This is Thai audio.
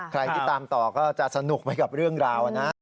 ใครที่ตามต่อก็จะสนุกไปกับเรื่องราวนะ